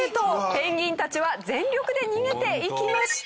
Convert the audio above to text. ペンギンたちは全力で逃げていきました！